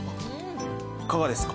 いかがですか？